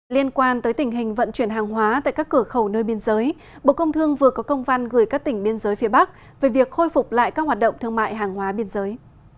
liên quan tới tình hình vận chuyển hàng hóa tại các cửa khẩu nơi biên giới bộ công thương vừa có công văn gửi các tỉnh biên giới phía bắc về việc khôi phục lại các hoạt động thương mại hàng hóa biên giới